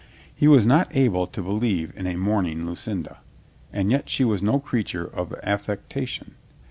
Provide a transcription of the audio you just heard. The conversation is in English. He was not able to believe in a mourning Lucinda. And yet she was no creature of aff"ectation.